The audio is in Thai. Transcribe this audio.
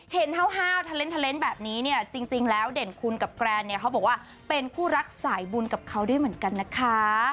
ห้าวทะเลนส์แบบนี้เนี่ยจริงแล้วเด่นคุณกับแกรนเนี่ยเขาบอกว่าเป็นคู่รักสายบุญกับเขาด้วยเหมือนกันนะคะ